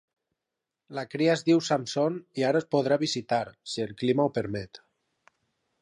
La cria es diu "Samson" i ara es podrà visitar, si el clima ho permet.